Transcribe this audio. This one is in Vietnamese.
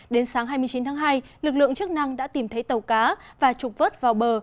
đến sáng hai mươi chín tháng hai lực lượng chức năng đã tìm thấy tàu cá và trục vớt vào bờ